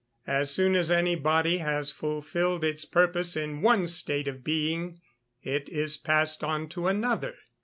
As soon as any body has fulfilled its purpose in one state of being, it is passed on to another.